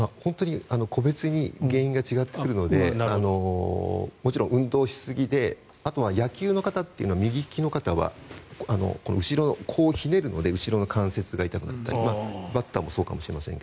個別に原因が違ってくるのでもちろん運動し過ぎであとは野球の方は、右利きの方はひねるので後ろの関節が痛くなったりバッターもそうかもしれませんが。